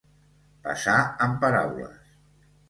Passar amb paraules.